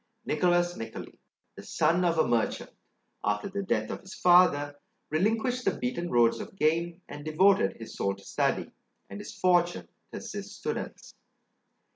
Nicholas Niccoli, the son of a merchant, after the death of his father relinquished the beaten roads of gain, and devoted his soul to study, and his fortune to assist students.